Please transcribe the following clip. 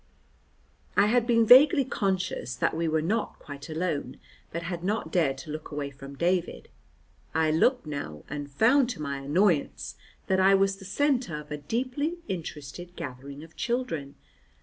I had been vaguely conscious that we were not quite alone, but had not dared to look away from David; I looked now, and found to my annoyance that I was the centre of a deeply interested gathering of children.